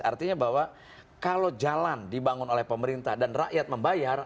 artinya bahwa kalau jalan dibangun oleh pemerintah dan rakyat membayar